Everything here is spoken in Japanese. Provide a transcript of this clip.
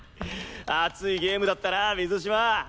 熱いゲームだったな水嶋！